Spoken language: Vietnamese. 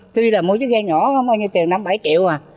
tuy là mua cái ghe nhỏ đó bao nhiêu tiền năm bảy triệu à